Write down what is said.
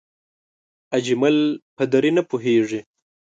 اجمل په دری نه پوهېږي